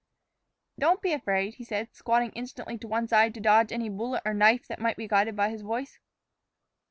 "Don't be afraid," he said, squatting instantly to one side to dodge any bullet or knife that might be guided by his voice.